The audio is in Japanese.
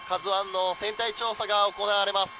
「ＫＡＺＵ１」の船体調査が行われます。